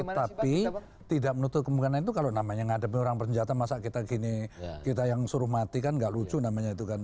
tapi tidak menutup kemungkinan itu kalau namanya menghadapi orang bersenjata masa kita gini kita yang suruh mati kan gak lucu namanya itu kan